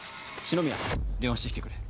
紫宮電話してきてくれ。